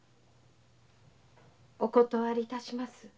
お断り致します。